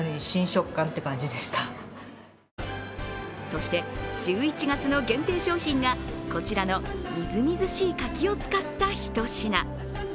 そして１１月の限定商品がこちらのみずみずしい柿を使ったひと品。